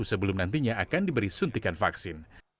sebelum nantinya akan diberi suntikan vaksin